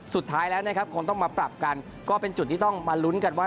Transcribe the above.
สุดท้ายแล้วนะครับคงต้องมาปรับกันก็เป็นจุดที่ต้องมาลุ้นกันว่า